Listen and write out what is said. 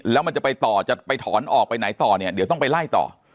แล้วมันจะไปต่อจะไปถอนออกไปไหนต่อเนี่ยเดี๋ยวต้องไปไล่ต่อ